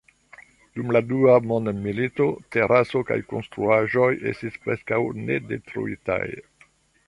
Dum la Dua Mondmilito, teraso kaj konstruaĵoj estis preskaŭ ne detruitaj.